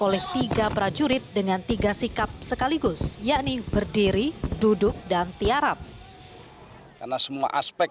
oleh tiga prajurit dengan tiga sikap sekaligus yakni berdiri duduk dan tiarap karena semua aspek